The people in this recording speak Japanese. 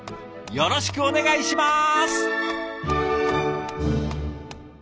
よろしくお願いします。